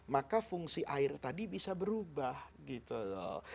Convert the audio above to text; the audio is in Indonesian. maka fungsi air tadi bisa berubah gitu loh